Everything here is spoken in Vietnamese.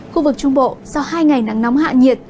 khu vực trung bộ sau hai ngày nắng nóng hạ nhiệt